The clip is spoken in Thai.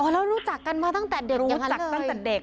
อ๋อแล้วรู้จักกันมาตั้งแต่เด็กอย่างนั้นเลย